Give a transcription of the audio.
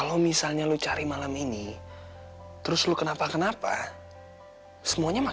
supaya mereka tidak akan terjadi apa apa